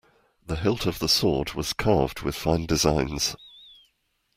The hilt of the sword was carved with fine designs.